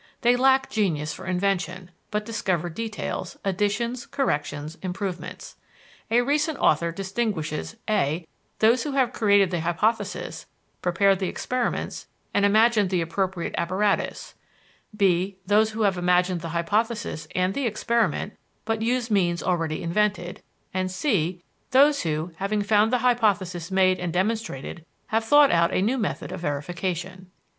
They lack genius for invention, but discover details, additions, corrections, improvements. A recent author distinguishes (a) those who have created the hypothesis, prepared the experiments, and imagined the appropriate apparatus; (b) those who have imagined the hypothesis and the experiment, but use means already invented; and (c) those who, having found the hypothesis made and demonstrated, have thought out a new method of verification.